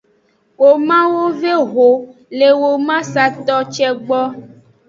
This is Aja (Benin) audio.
Wemawo ve exo le wemasato ce gbo.